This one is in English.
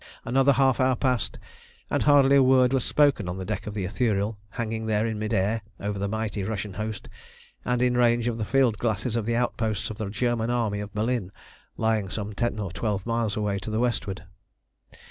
Another half hour passed, and hardly a word was spoken on the deck of the Ithuriel, hanging there in mid air over the mighty Russian host, and in range of the field glasses of the outposts of the German army of Berlin lying some ten or twelve miles away to the westward.